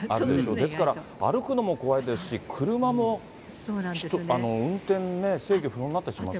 ですから歩くのも怖いですし、車も運転ね、制御不能になったりしますから。